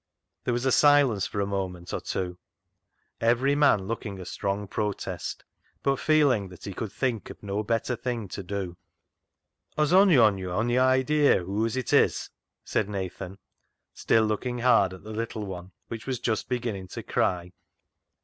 There was silence for a moment or two, every man looking a strong protest, but feeling that he could think of no better thing to do. " Has ony on yo' ony idea whoase it is ?" asked Nathan, still looking hard at the little one, which was just beginning to cry.